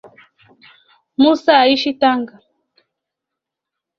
Mussa aishi Tanga